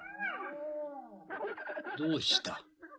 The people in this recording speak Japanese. どうした？